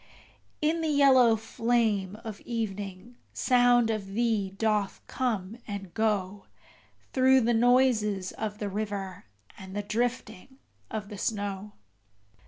In the yellow flame of evening sound of thee doth come and go Through the noises of the river, and the drifting of the snow.